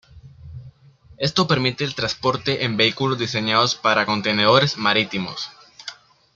Esto permite el transporte en vehículos diseñados para contenedores marítimos.